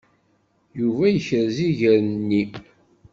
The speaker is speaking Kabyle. Yuba yekrez iger-nni.